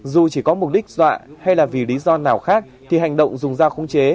dù chỉ có mục đích dọa hay là vì lý do nào khác thì hành động dùng dao khống chế